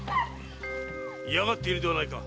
いやがっているではないか。